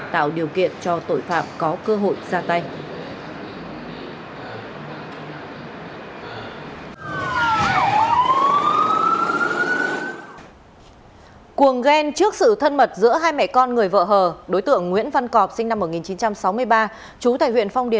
tạo điều kiện cho tội phạm có cơ hội ra tay